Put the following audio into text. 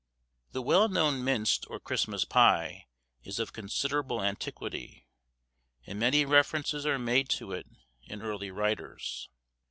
The well known minced or Christmas pie is of considerable antiquity, and many references are made to it in early writers.